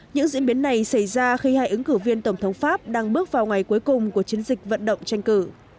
những diễn biến này xảy ra khi hai ứng cử viên tổng thống pháp đang bước vào ngày cuối cùng của chiến dịch vận động tranh cử